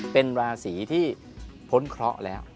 เป็นราศีที่พ้นเคราะห์แล้ว